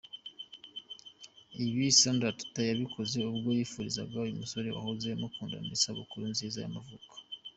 Ibi Sandra Teta yabikoze ubwo yifurizaga uyu musore bahoze bakundama isabukuru nziza y'amavuko.